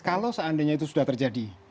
kalau seandainya itu sudah terjadi